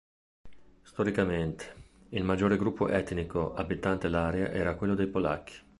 Storicamente, il maggiore gruppo etnico abitante l'area era quello dei polacchi.